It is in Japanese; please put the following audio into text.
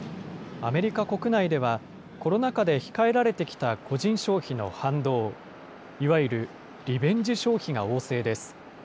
アメリカ国内では、コロナ禍で控えられてきた個人消費の反動、いわゆるリベンジ消費が旺盛です。